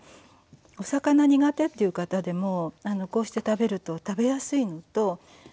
お魚苦手っていう方でもこうして食べると食べやすいのととってもね